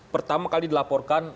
pertama kali dilaporkan